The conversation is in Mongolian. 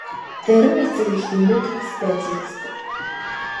Зарим эцэг эх дэндүү төгс байдлыг хүсдэг.